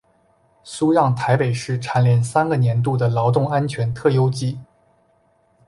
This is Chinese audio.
苏让台北市蝉联三个年度的劳动安全特优纪。